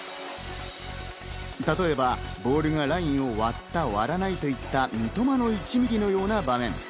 例えばボールがラインを割った・割らないといった「三笘の１ミリ」のような場面。